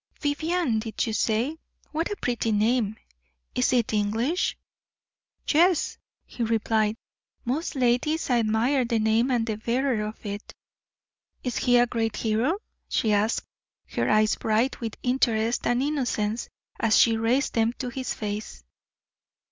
"Vivianne, did you say? What a pretty name! Is it English?" "Yes," he replied. "Most ladies admire the name and the bearer of it." "Is he a great hero?" she asked, her eyes bright with interest and innocence as she raised them to his face.